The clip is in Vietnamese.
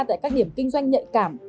tại các điểm kinh doanh nhạy cảm